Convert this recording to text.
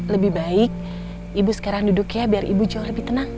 lebih baik ibu sekarang duduk ya biar ibu jauh lebih tenang